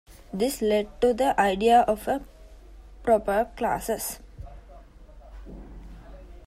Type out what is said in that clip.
This led to the idea of a proper class.